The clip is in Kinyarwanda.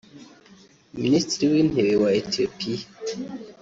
Minisitiri w’Intebe wa Ethiopia